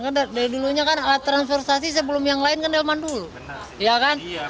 karena dari dulunya kan alat transportasi sebelum yang lain kan delman dulu